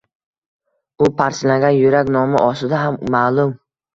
U “Parchalangan yurak” nomi ostida ham malum.